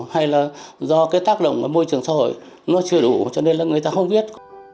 hay là do cái tác động của môi trường xã hội nó chưa đủ cho nên là người ta không viết